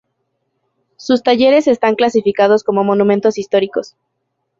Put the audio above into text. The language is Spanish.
Sus talleres están clasificados como monumentos históricos.